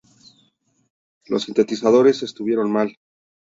Los sintetizadores estuvieron mal.